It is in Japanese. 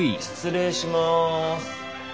失礼します。